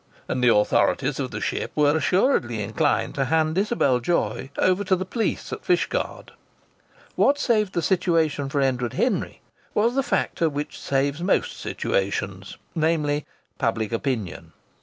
And the authorities of the ship were assuredly inclined to hand Isabel Joy over to the police at Fishguard. What saved the situation for Edward Henry was the factor which saves most situations namely, public opinion.